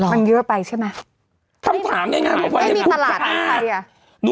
มันเยอะไปใช่ไหมคำถามแรงงามออกไปไม่มีตลาดใครอ่ะ